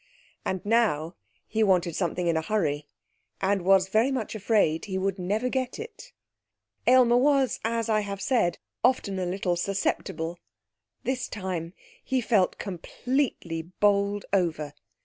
And now he wanted something in a hurry, and was very much afraid he would never get it. Aylmer was, as I have said, often a little susceptible. This time he felt completely bowled over.